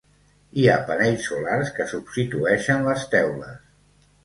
Hi ha panells solars que substitueixen les teules.